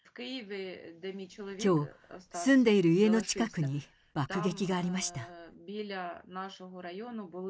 きょう住んでいる家の近くに爆撃がありました。